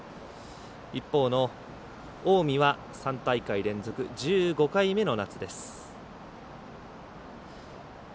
一方の、近江は３大会連続１５回目の夏です。